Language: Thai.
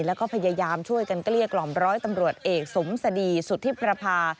แล้วก็พยายามช่วยกันเกลี้ยกล่อมร้อยตำรวจเอกสมสดีสุธิประพา